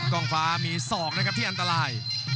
กรุงฝาพัดจินด้า